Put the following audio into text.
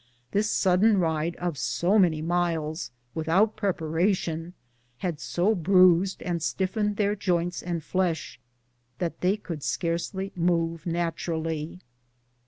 This sudden ride of so many miles, without preparation, had so bruised and stiffened their joints and flesh that tliey could scarcely move naturally.